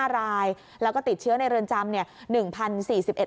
๕รายแล้วก็ติดเชื้อในเรือนจำเนี่ย